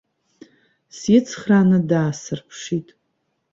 Сицхрааны даасырԥшит.